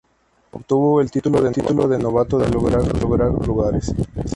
Obtuvo el título de "novato del año" tras lograr dos terceros lugares.